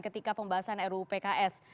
ketika pembahasan ruu pks